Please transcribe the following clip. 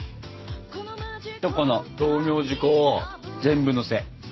とこの道明寺粉を全部のせ。